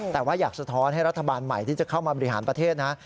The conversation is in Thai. แต่ว่าอยากสะท้อนให้รัฐบาลใหม่ที่จะเข้ามาบริหารประเทศนะ